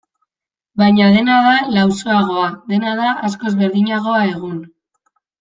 Baina dena da lausoagoa, dena da askoz berdinagoa egun.